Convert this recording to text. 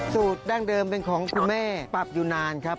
ดั้งเดิมเป็นของคุณแม่ปรับอยู่นานครับ